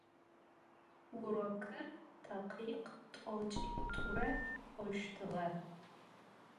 Vurokır takhikh t'oç'it'ure k'oştığe.